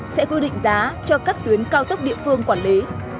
sẽ quy định giá cho các tuyến cao tốc địa phương quản lý